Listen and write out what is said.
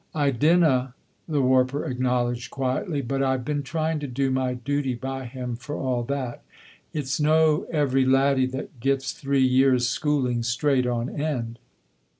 "I dinna," the warper acknowledged quietly, "but I've been trying to do my duty by him for all that. It's no every laddie that gets three years' schooling straight on end."